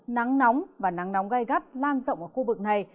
nắng nóng và nắng nóng gai gắt lan rộng ở khu vực này